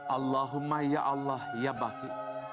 allahumma ya allah ya baki